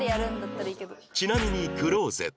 ちなみにクローゼットは